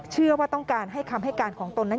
เชื่อว่าต้องการให้คำให้การของตนนั้น